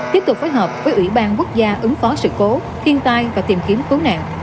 tiếp tục phối hợp với ủy ban quốc gia ứng phó sự cố thiên tai và tìm kiếm cứu nạn